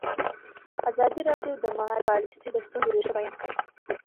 ازادي راډیو د مالي پالیسي د ستونزو رېښه بیان کړې.